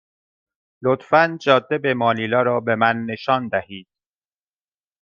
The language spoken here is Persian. لطفا جاده به مانیلا را به من نشان دهید.